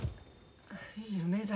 夢だ。